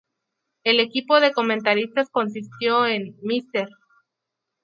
El equipo de comentaristas consistió en: Mr.